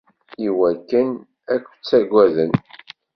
Iwakken ad k-ttaggaden.